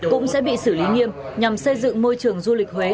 cũng sẽ bị xử lý nghiêm nhằm xây dựng môi trường du lịch huế